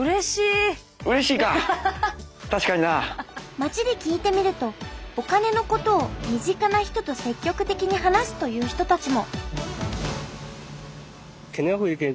町で聞いてみるとお金のことを身近な人と積極的に話すという人たちも。